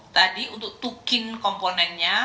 tadi untuk tukin komponennya